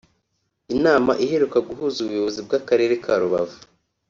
Inama iheruka guhuza Ubuyobozi bw’Akarere ka Rubavu